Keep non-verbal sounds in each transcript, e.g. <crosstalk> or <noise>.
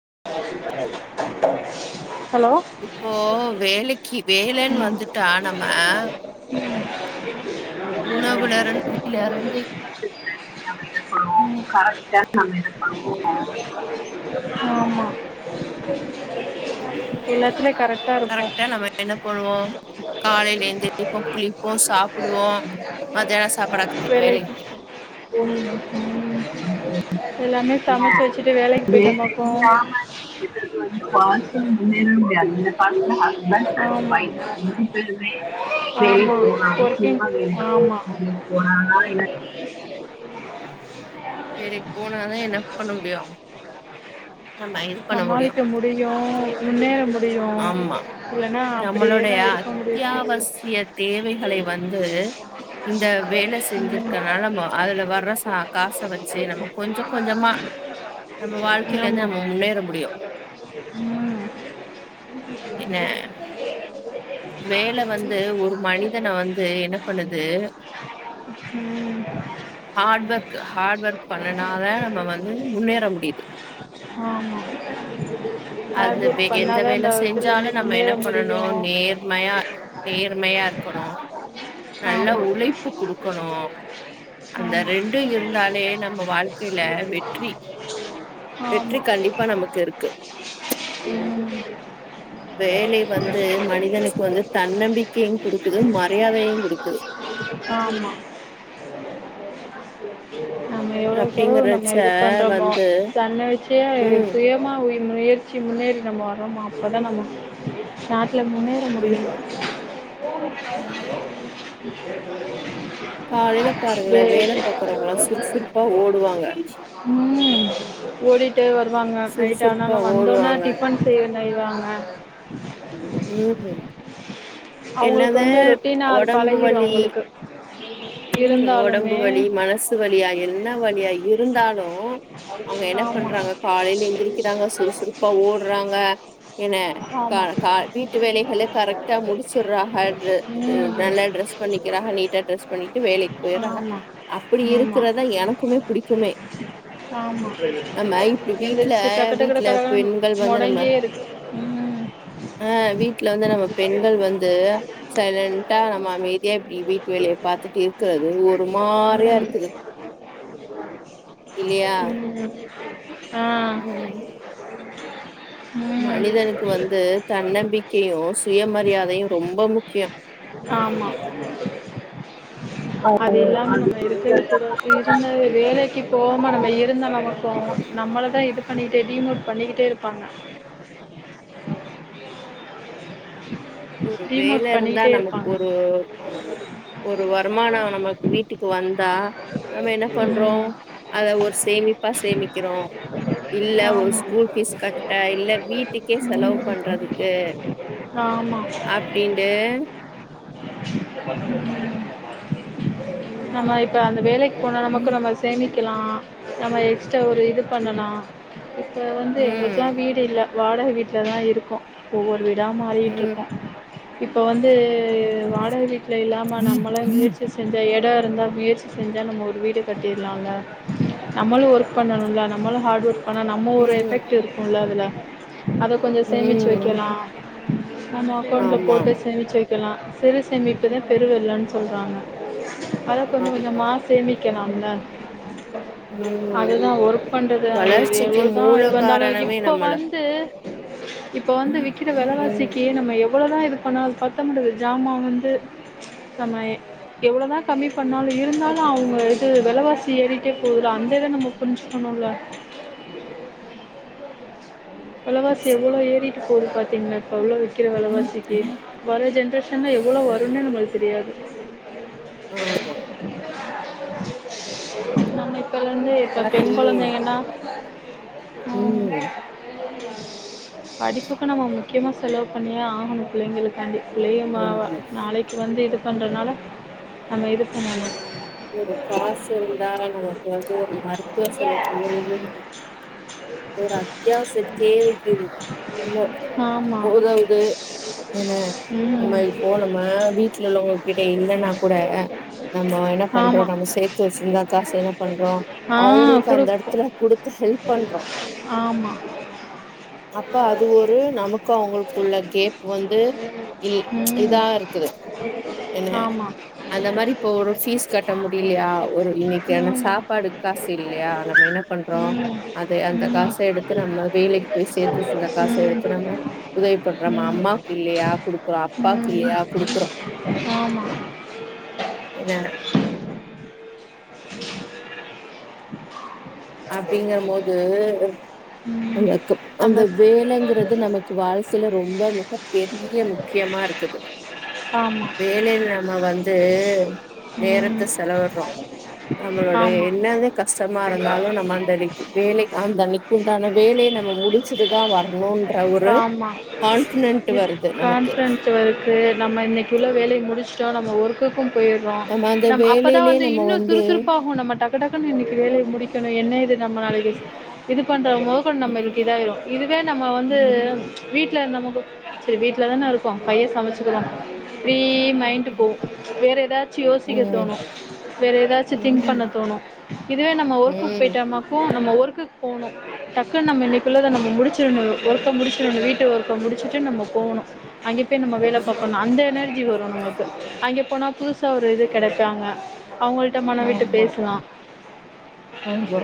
<inaudible> இப்போ வேலைக்கு வேலைன்னு வந்துட்டா நாம <inaudible> உணவுலறந்து <inaudible> ம் மா <inaudible> கரெக்டா நம்ம என்ன பண்ணுவோம் காலையில எந்த எளிப்போம் குளிப்போம் சாப்பிடுவோம் மத்தியானம் சாப்பாிட வேலைக்கு ம் எல்லாமே சமைச்சு வச்சுட்டு வேலைக்கு <inaudible> <unintelligible> போயிட்டோமாக்கு ஹஸ்பன் அண்டு ஆமா ஒய்ப் ரெண்டு பேருமே வேலைக்கு ஆமா போனா ஒர்க்கிங் அவசியமா வேலைக்கு ஆமா போனோ போனதா இல் வேலைக்கு போனாதா என்ன பண்ண முடியு நம்ம இது பண்ண முடியு சமாளிக்க முடியும் முன்னேற மு ஆமா நம்மளோடைய இருக்க முடியு சிஸ்டர் அத்தியாவசிய தேவைகளை வந்து இந்த வேல ம் செஞ்சிருக்கனால நம்ம அதுல வர்ற காச வச்சு நம்ம கொஞ்ச கொஞ்சமா நம்ம வாழ்க்கையில இருந்து நம்ம முன் உம் என்ன <inaudible> வேல வந்து ஒரு மனிதன வந்து என்ன பண்ணுது ம் ஹார்ட் ஒர்க் ஹார்ட் ஒர்க் பண்ணுனா தான் நம்ப வந்து முன்னேற முடியுது ஆமா அது ஹார்ட் வே ஒர்க் எந்த பண்ணாதா வேல இந்த இதுல இருந்து முன்னேற முடியும் உண்மையா நேர்மையா இருக்கணும் நல்லா ஆமா உழைப்பு குடுக்கணும் ஆமா வாழ்க்கையில வெற்றி வெற்றி ஆமா கண்டிப்பா நமக்கு இருக்கு உம் வேலை வந்து மனிதனுக்கு வந்து தன்னம்பிக்கையு குடுக்குது மரியாதையு குடுக்குது ஆமா <unintelligible> நாம எவ்ளோவுக் எவளோ அப்டிங்கறச்ச நம்ம இது பண்றோமோ வந்து கண்ணு வச்சே ம் சுயமா முயற்சி முன்னேறி நாம ஆமா அப்போ தான் நம்ம இல்ல முன்னேற ம் முடியும் <inaudible> கால பாருங்கள வே வேல பாக்குறவங்களா சுறுசுறுப்பா ஓடுவாங்க உம் ஓடிட்டே வருவாங்க சுறுசுறுப்பா ஓடுவாங்க செய்வங்க உம் அவங்களுக்கு வந்து என்னதான் ரொட்டீனா அது உடம்பு பழகிரும் வலி அவங்களுக்கு உம் உடம்பு இருந்தாலுமே வலி மனசு வலியா என்ன வலியா இருந்தாலும் அவுங்க என்ன ஆமா பண்றாங்க காலயில எந்திரிக்கிறாங்க சுறுசுறுப்பா ஓடுறாங்க எனா ஆமா வீட்டு வேலைகள கரெக்டா முடிச்சடுறாக உம் நல்லா ட்ரெஸ் பண்ணிக்கிறாங்க நீட்டா ட்ரெஸ் பண்ணிட்டு வேலைக்கு போய ஆமா-ஆமா-ஆமா எனக்குமே புடிக்குமே நம்ம இப்டி வீட்ல எந்திரச்சு டக்கு-டக்குனு வீட்ல கட-கடனு பெண்கள் முடங்கிய இருக்கு உம் அஹ் வீட்டுல வந்து நம்ம பெண்கள் வந்து சைலன்ண்டா நம்ம அமைதியா இப்படி வீட்டு வேலையை பாாரத்துட்டு இருக்கிறது ஒரு மாரியா இருக்குது இல்லையா உம் உம் <inaudible> ஹா ம் மனிதனுக்கு வந்து தன்னம்பிக்கையும் சுயமரியாதையும் ரொம்ப முக்கியம் ஆமா அது இல்லாம நம்ம இருக்கவே கூடா இருந்தது வேலைக்கு போவாம நம்ம இருந்த நம்ம போவம் நம்மளதான் இது பண்ணிட்டே டிமோட் பண்ணிக்கிட்டே இருப்பாங்க ஒரு வேல டிமோட் இருந்தா பண்ணிக்கிட்டே நமக்கு இருப்பாங்க ஒரு ஒரு வரு. வருமானம் நமக்கு வீட்டுக்கு வந்தா நம்ம என்ன பண்றோ ம் அத ஒரு சேமிப்பா சேமிக்கிறோ. இல்ல ஒரு ஆமா ஸ்கூல் பீஸ் கட்ட இல்ல வீட்டுக்கே செலவு பண்றதுக்கு. ஆமா அப்படின்ட்டு. <unintelligible> நம்ம இப்ப அந்த வேலைக். போனா நமக்கு நம்ம சேமிப். வெக்கலா. நம்ம எக்ஸ்ட்ரா ஒரு இது பண்ணலா. இப்ப வந்து எங்களுக்கெல்லா ம் வீடு இல்ல. வாடக வீட்லதா இருக்கோ. ஒவ்வொரு வீடு. இதா ம் மாறிட்டுருக்கோ. இப். இப்போ வந்து வாடக வீட்டுல இல்லாம நம்மளா முயற்சி. இந்த எடோ இருந்தா முயற்சி செஞ்சா நம்ம ஒரு வீடு கட்டிடலாம்ல்ல. நம்மளும் ஒர்க் பண்ணணும்ல நம்மளும் ஹார்ட் ஒர்க். ஆனா நம்ம ஒரு ம் எஃபெக்ட் இருக்கும்ல அதுல. அத கொஞ்சோ சேமிச்சு ம் வைக்கலா. நம்ம அக்கௌண்ட்ல ஆமா போட்டு சேமிச்சு வைக். இருக்கல்லா சிறு சேமிப்புதா பெருவெள்ளன்னு சொல்றாங்க. அத கொஞ்ச கொஞ்ச ஆமா மா சேமி வக்கலாம்ல ம் அதுதான் ஒர்க் பண்றது அது வளர்ச்சிக்கு எவ்வளவுதான் மூல இது வந்தாலும் காரணமே இப்ப நம்மள வந்து இப்ப வந்து விக்கிற ம் விலவாசிக்கு நம்ம எவ்வளத ஆனா அது பத்தமாட்டன்து ஜாமான் வந்து நம் எ எவ்வளதான் கம்மி பண்ணாலும் இருந்தாலும் அவங்க எது வெலவாசி ஏறிட்டே போகுதல அந்த இத நம்ம புரிஞ்சுக்கணும்ல வெளவாசி எவ்வளோ ஏறி கோடு பாத்தீங்கனா இப்ப உளவிஷ இருக்கிற வெலவாசிக்கு வர ஜென்ரேஷன்லாம் எவ்வளோ வரும்ன்னே நம்மளுக்கு தெரியாது ஆஹ் ஆமா நானே கொழந்த இப்ப பெண் கொலந்தங்கன்னா உஹம் படிப்புக்கு நம்ம முக்கியமா செலவு பண்ணியே ஆகணு பிள்ளங்களுக்காண்டி <unintelligible> மாவ ஆமா நாளைக்கு வந்து எடுத் பண்ணுறனால அந்த இது பண்ணனும் ஒரு காசு இருந்தா நமக்கு வந்து ஒரு மருத்துவ செலவுக்கு ஒரு அத்தியாவசிய தேவைக்குது ஆமாம் உதவுது என்ன நம்ம ம் இப்போ நம்ம வீட்டுல உள்ளவங்க கிட்ட இல்லன்னா கூட நம்ம என்ன பண்றோ ஆமாம் நம்ம சேர்த்து வச்சிருந்தா காசு என்ன பண்றோ ஆ அவங்களுக்கு அந்த கொடுப்போம் இடத்துல கொடுத்து ஹெல்ப் பண்றோம் ஆமாம் அப்ப அது ஒரு நமக்கு அவங்களுக்குள்ள கேப் வந்து இல் ம் இதாருக்கு என்ன ஆமாம் அந்த மாரி இப்ப ஒரு பீஸ் கட்ட முடியலையா ஒரு இன்னைக்கான ஆமாம் சாப்பாடு காசு இல்லையா நம்ம என்ன பண்றோ ம் அது ம் அந்த காச ம் எடுத்து நம்ப வேலைக்கு போய் சேர்த்துவச்சிருந்த காசு எடுத்து நம்ம உதவி பண்றோ அம்மாக்கு இல்லையா குடுக்குறோ அப்பாவுக்கு ம் ம் இல்லையா குடுக்குறோ ஆமாம் என்ன <inaudible> அப்படிங்கற மோது ம் அந்த நம்ம வேலைங்கிறது நமக்கு வாழ்க்கையில ரொம்ப மிக பெரிய முக்கியமா இருக்குது ஆமாம் வேலையில நம்ம வந்து ம் நேரத்தை செலவிடுறோம் நம்மளோட ஆமாம் என்னன்ன கஷ்டமா இரு இருந்தாலும் நம்ம அந்த அன்ணைக்கு வேலைக்கு அந்த அன் ணைக்கு உண்டான வேலையை நம்ம முடிச்சதுதான் வரணும்ன்ற ஒரு ஆமாம் கான்பிடன்ட் வருது நமக்கு கான்ஃபரன்ஸ் ஒர்க்கு நம்ம இன்னைக்குள்ள வேலைய முடிச்சுட்டோம் நம்ம ஒர்க்கு போயிறோ நம்ம அந்த நம் அப்பதான் வேலையிலயே வந்து நம்ம இன்னோ சுறுசுறுப்பாகோ நம்ம டக்கு டக்குன்னு இன்னைக்கு வேலையை முடி என்ன இது நம்ம நா இது பண் ஓபன் நம்ம இருக்குல இதுவே நம்ம வந்து ம் வீட் வீட்ல இரு நம சரி வீட்டுல தானே இருக்கும் பைய சமைச்சுக்குவோம் ஃப்ரீ மைண்டு போகும் வேறு ஏதாச்சும் யோசிக்க ம் தோணும் வேறு ஏதாச்சும் திங்க் பண்ண தோணும் இதுவே நம்ம ஒர்க்குக்கு ம் போயிட்டோம்னாக்கும் நம்ம ஒர்க்கு போன டக்குணு நம்ம இன்னைக்குள்ளத நம்ம முடிச்சுடணு ஒர்க முடிச்ட்டு நம்ம வீட்டு ஒர்க்க முடிச்டு நம்ம போணு அங்கே நம்ம வேலை பாக்கோணும் அந்த எனர்ஜி வரும் நமக்கு அங்கே போனா புதுசா ஒரு இது கெடப்பாங்க அவுங்ககிட்ட மனவிட்டு ஆமா பேசலா ஆமா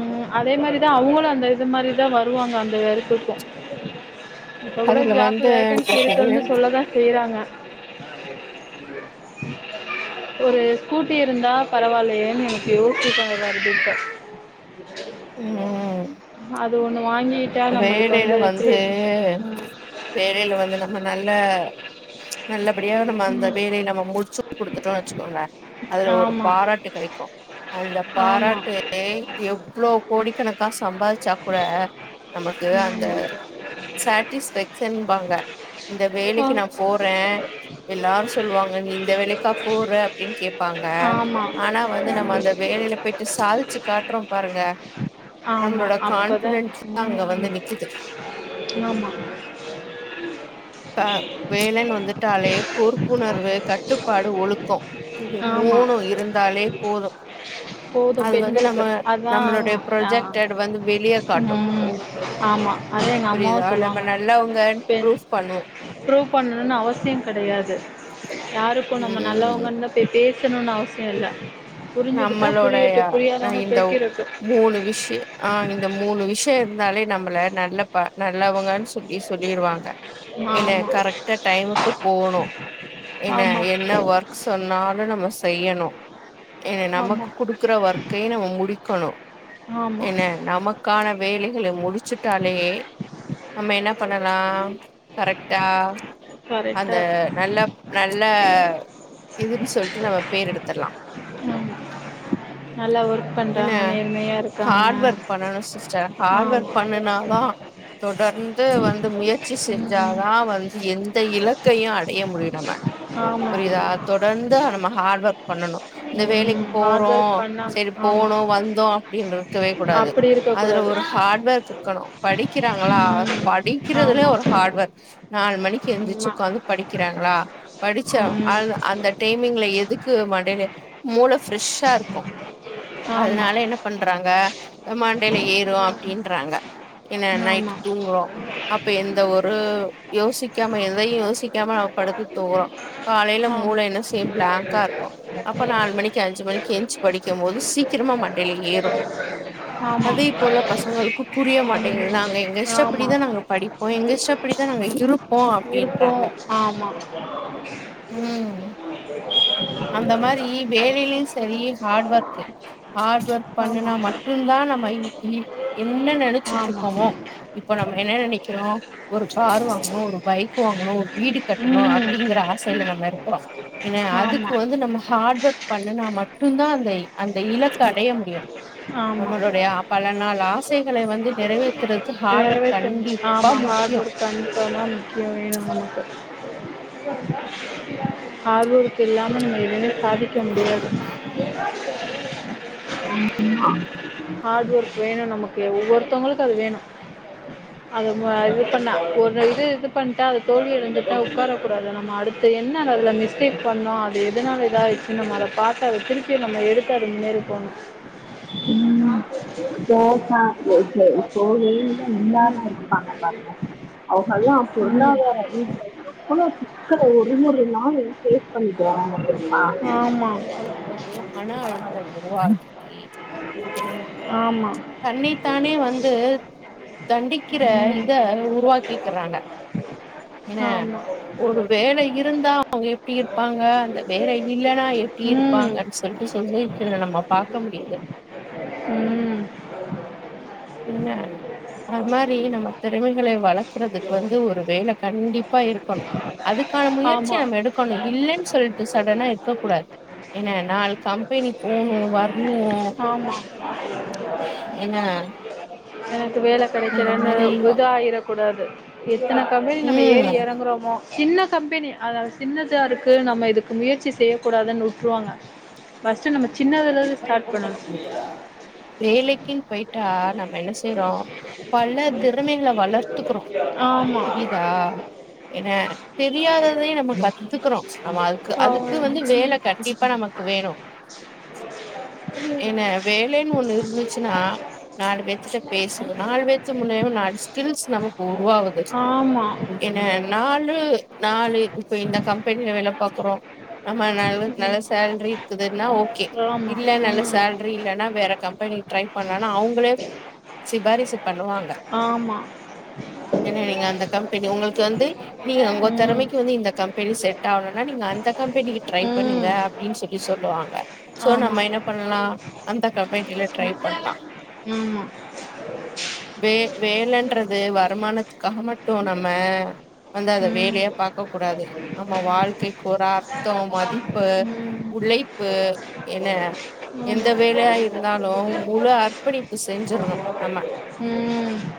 உம் அதே மாரி அவங்களும் அந்த இது மாரி தான் வருவாங்க அந்த எடத்துக்கும் இப்ப கூட அதுல ஜாப் வந்து வேகன்சி இருக்குனு சொல்லதான் செய்றாங்க ஒரு ஸ்கூட்டி இருந்தா பரவாயில்லையேன்னு எனக்கு யோசச்சக்காங்க வப்பது உஹம் <unintelligible> நம்மளுக்கு வேலையில ஃப்ரீ வந்து வேலையில வந்து நம்ம நல்ல நல்லபடியாக நம்ம அந்த வேலைய நம்ம முடிச்சு குடுத்துட்டோம்னு வச்சுக்கோங்க அதுல ஒரு ஆமா பாராட்டு கிடைக்கோ அந்த ஆமா பாராட்டு எவ்ளோ கோடிக்கணக்கா சம்பாரிச்சா கூட நமக்கு அந்த ம் சேட்டிஸ்பாக்க்ஷன் ங்பாங்க இந்த ஆ வேலைக்கு நா போறேன் எல்லாரும் சொல்வாங்க நீ இந்த வேலைக்கா போற அப்டினு கேப்பாங்க ஆமா ஆனா வந்து நம்ம அந்த வேலைல போய்ட்டு சாதிச்சு காட்றோம் பாருங்க ஆமா நம்மளோட அப்பதான் கான்ஃபிடென்ஸ் அங்க வந்து ம் நிக்குது ஆமா வேலன்னு வந்துட்டாலே பொறுப்புணர்வு கட்டுப்பாடு ஒலுக்கோ இது ஆமா மூணு இருந்தாலே போது போதும் அது வந்து நம்ம பெண்களுக்கு அதான் நம்மளோட ஆ ப்ரொஜெக்ட்டடுவந்து வெளியே காட்டும் ம் ஆமா அதா எங்க அம்மாவு சொல்லுவாங்க நல்லவங்கன்னு ப்ரூஃப் பண்ணுவோ ப்ரூப் பண்ணனு அவசியோ கெடையாது யாருக்கு நம்ம ம் நல்லவங்கனு பே பேசணும்னு அவசியம் இல்ல புரிஞ்சுக்கிட்டா நம்மளோடைய புரியட்டு நா புரியாதங்க இந்த போய்கிரட்டும்இருக்கு மூணு விஷயம் ஆ இந்த மூணு விஷயம் இருந்தாலே நம்மள நல்ல பா நல்லவங்கு சொல்லி சொல்லிருவாங்க என்ன ஆமா கரெக்டா டைமுக்கு போணும் என்ன ஆமா என்ன ஒர்க் சொன்னாலும் நம்ம செய்யணும் ஏன்ன ஆமா நமக் குடுக்குற ஒர்கையு நம்ம முடிக்கணு ஆமா என்ன நமக்கான வேலைகளை முடிச்சுட்டாலே நம்ம என்ன பண்ணலா கரெக்டா அந்த கரெக்டா நல்ல நல்ல இதுனு சொல்ட்டு நம்ம பேர் எடுத்துட்லா நல்லா ஒர்க் பண்றாங்க என்ன நேர்மையா இருக்காங்க ஹார்ட் ஒர்க் பண்ணணும் சிஸ்டர் ஹார்ட் ஆமா ஒர்க் பண்ணனா தா தொடர்ந்து வந்து முயற்சி ம் செஞ்சாதா வந்து எந்த இலக்கையும் அடைய முடியோம் ஆமா புரியுதா தொடர்ந்து நம்ம ஹார்ட் ஒர்க் பண்ணணும் இந்த வேலைக்கு ம் ஹார்ட் போறோ ஒர்க் பண்ணா சரி ஆமா போனோ வந் எந்திரிருக்கவே கூடாது அப்படி இருக்க அதுல கூடாது ஒரு ஹார்டுஒர்க் இருக்கணு படிக்கிறாங்களா ம் படிக்கிறதுதல ஆமா ஒரு ஹார்டு ஒர்க் நால் மணிக்கு எந்துரிச்சு ஆமா உக்காந்து படிக்கிறாங்களா படிச்சா அ ம் அந்த டேமிங்ல எதுக்கு மண்டேல மூள ஃப்ரஷ்ஷா இருக்கும் ஆமா அதனால என்ன பண்றாங்க மண்டைல ஏறும் அப்டின்றாங்க என்ன நைட் ஆமா தூங்குறோம் அப்ப எந்த ஒரு யோசிக்காம எதயும் யோசிக்காம நாம படுத்து தூங்றோம் காலைல மூள என்ன சேம் பிளாங்கா இருக்கோ மணிக்கு அஞ்சு மணிக்கு எஞ்சு படிக்கும் போது சீக்கிரமா மண் வெல ஏறும் ஆமா ஆமா அதே இப்பே உள்ள பசங்களுக்கு புரிய மாட்டேங்குது ம் நாங்க எங்க ஆமா இஷ்டபடிதான் நாங்க படிப்போம் எங்க இஷ்டபடிதான் நாங்க இருப்போம் அப்டின்றாங்க இருப்போம் ஆமா ம் அந்த மாரி வேலெலியும் செரி ஹார்டு ஒர்க் ஹார்டு ஒர்க் ஆமா பண்ணுனா மட்டும் தான் நம்ம இன்னைக்கு என்ன நெனச்சிட்டு ஆமா இருக்கோமோ இப்ப நம்ம என்ன நெனைக்கிறோம் ஒரு கார் வாங்கணும் ஒரு பைக் வாங்கணும் ஒரு வீடு கட்டணும் ம் அப்டிங்கற ஆசையில நம்ம இருக்குரோம் ஏன்ன அதுக்கு இப்ப ஆமா வந்து நம்ம ஹார்டு ஒர்க் பண்ணுனா மட்டும்தா அந்த அந்த இலக்க அடய ஆமா நாள் ஆசைகளை வந்து நிறைவேத்துறதுக்கு ஹார்ட் ஒர்க் நரவேத்த கண்டிப்பா ஆமா முக்கியோ ஹார்டுவொர்க் கண்டிப்பா தான் முக்கியம் வேணும் நமக்கு ஆகூருக்கு இல்லாம நீங்க எதுமே சாதிக்க முடியாது ஹார்டு ஒர்க் வேணு நமக்கு ஒவ்வொருத்தவங்களுக்கு அது வேணும் அது இது பண்ண ஒரு இது இ பண்ட்டாப் தோல்வி எழுந்துட்டா உக்கார கூடாது ஆனா மாடு இப்ப என்ன அதுல மிஸ்டேக் பண்ணோம் அது எதுனால சின்னம் அத பார்த்த அத திருப்பி நம்ம எடுத்து அது முன்னேறி போணும் உம் இப்போ அஹ வேலை இல்லாம ம் இருப்பாங்க அவர்கள் எல்லாம் ம் பொருளாதார ரீதியாக எவ்வளவு சிக்கல ஒரு ஒரு நாளும் பேஸ் பண்ணுவாங்க தெரியுமா ஆமாம் <unintelligible> ஆமாம் தன்னைத்தானே வந்து தண்டிக்கிற ம் இத உருவாக்கிக்கிறாங்க என ஆமாம் ஒரு வேலை இருந்தா அவுங்க எப்டி இருப்பாங்க அந்த வேலை இல்லைன்னா எப்டி ம் இருப்பாங்கன்னு சொல்லிட்டு சொல்ல நம்ம பாக் க்க முடியுது உஹம் என்ன அது மாரி நம்ம திறமைகள வளர்க்குறதுக்கு வந்து ஒரு வேல கண்டிப்பா இருக்கணு அதுக்கான முயற்சி ஆமாம் நம்ம எடுக்கணு இல்லனு சொல்டு சடனா இருக்க கூடாது என்ன நாளு கம்பெனி போணும் வர் ஆமா ஏன்னா <unintelligible> வேல அந்த கெடைக்கலனு மாரி ருதாயிரக் கூடாது இது இத்தன கம்பெனி நம்ம ம் ஏறி இறங்குறோமோ சின்ன கம்பெனி அதாவ சின்னதாக இருக்குது நம்ம இதுக்கு முயற்சி செய்யக்கூடாதுன்னு விட்ருவாங்க பஸ் ச்சு நம்ம சின்னது த வேலைக்குனு போய்ட்டா நம்ம என்ன செய்றோம் பல திறமைகள வளர்த்துக்குறோம் ஆமா புரிதா என்ன தெரியாததையும் நம்ம கத்துகுறோம் அமா அதுக்கு அதுக்கு வந்து ஆ வேல கண்டிப்பா நமக்கு வேணு <inaudible> என்ன வேலைன்னு ஒண்ணு இருந்துச்சுன்னா நாலு வச்சுட்ட பேசுவும் நாலு வச்ச முலமா நாலு ஸ்கில்ஸ் நமக்கு உருவாகுது ஆமா என்ன நாலு நாலு இப்ப இந்த கம்பெனியில வேல பாக்குறோம் நம்ம நல்ல நல்ல சேல்ரி இருக்குதுன்னா ஓகே ஆமா இல்ல நல்ல ம் சேலரி இல்லைன்னா வேற கம்பெனி ட்ரை பண்ணலனா அவங்களே சிபாரிசு பண்ணுவாங்க ஆமா ஏன நீங்க அந்த கம்பெனி உங்களுக்கு வந்து நீங்க உங்க ம் திறமைக்கு வந்து இந்த கம்பெனி செட் ஆகலனா நீங்க அந்த கம்பெனிக்கு ட்ரை பண்ணுங்க ம் அப்படின்னு சொல்லி சொல்லுவாங்க சோ ஆமா நம என்ன பண்ணலாம் அந்த கம்பனில ட்ரை பண்ணலாம் ஆமா வே வேலைன்றது வருமானத்துக்காக மட்டும் நம்ம வந்து அத ம் வேலையா பாார்கக்க கூடாது நம்ம வாழ்க்கைக்கு ஒரு அர்த்தம் மதிப்பு ம் உலைப்பு என்ன எந்த ஆமா வேலையா இருந்தாலும் முழு அர்ப்பணிப்பு செஞ்சிடணும் நமா ம்